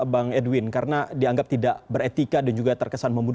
pengaruhi pengaruhi kerja kerja kami